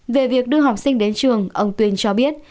về việc đưa học sinh đến trường ông tuyên cho biết